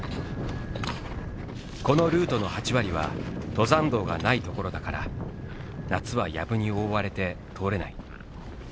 このルートの８割は登山道がない所だから夏はやぶに覆われて通れない。